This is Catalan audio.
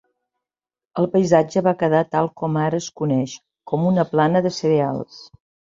El paisatge va quedar tal com ara es coneix, com una plana de cereals.